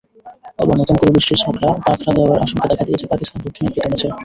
এবার নতুন করে বৃষ্টির বাগড়া দেওয়ার আশঙ্কা দেখা দিয়েছে পাকিস্তান-দক্ষিণ আফ্রিকা ম্যাচেও।